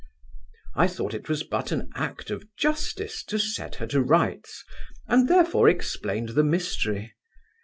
I thought it was but an act of justice to set her to rights; and therefore explained the mystery.